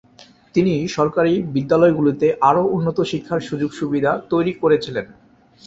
তিনি সরকারি বিদ্যালয়গুলিতে আরও উন্নত শিক্ষার সুযোগসুবিধা তৈরি করেছিলেন।